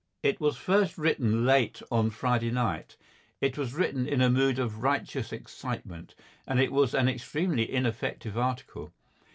It was first written late on Friday night; it was written in a mood of righteous excitement, and it was an extremely ineffective article.